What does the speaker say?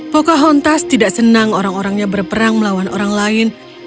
pocahontas tidak senang orang orangnya berperang melawan orang lain